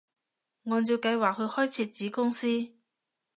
按照計劃去開設子公司